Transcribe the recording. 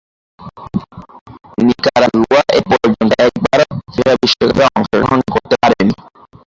Nicaragua এপর্যন্ত একবারও FIFA বিশ্বকাপে অংশগ্রহণ করতে পারেনি।